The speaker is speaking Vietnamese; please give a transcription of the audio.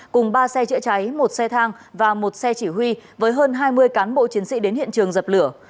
cùng ba xe chữa cháy một xe thang và một xe chỉ huy với hơn hai mươi cán bộ chiến sĩ đến hiện trường dập lửa